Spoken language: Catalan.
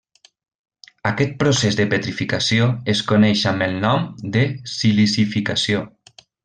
Aquest procés de petrificació es coneix amb el nom de silicificació.